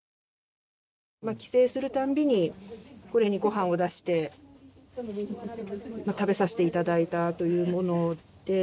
まあ帰省する度にこれに、ごはんを出して食べさせていただいたというもので。